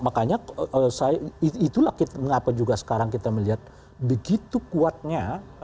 makanya itulah mengapa juga sekarang kita melihat begitu kuatnya